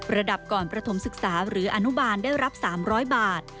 ระดับก่อนประถมศึกษาหรืออนุบาลได้รับ๓๐๐บาท